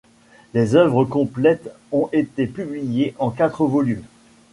Ses œuvres complètes ont été publiées en quatre volumes.